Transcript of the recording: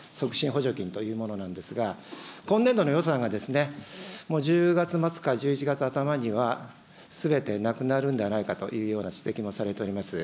補助金というものなんですが、今年度の予算がもう１０月末か１１月頭には、すべてなくなるんではないかという指摘もされております。